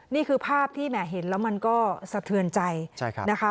นี่คือภาพที่แหมเห็นแล้วมันก็สะเทือนใจนะคะ